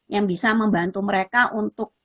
yang bisa membantu mereka untuk